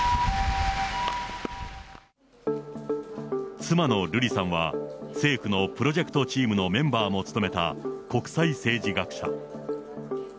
妻の瑠麗さんは政府のプロジェクトチームのメンバーも務めた国際政治学者。